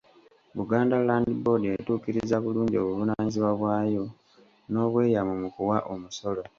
Buganda Land Board etuukiriza bulungi obuvunaanyizibwa bwayo n’obweyamo mu kuwa omusolo.